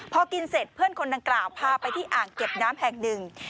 พอกินเสร็จเพื่อนคนดังกล่าวพาไปที่อ่างเก็บน้ำแห่งหนึ่ง